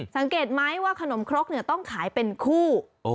สังเกตไหมว่าขนมครกต้องขายเป็นคู่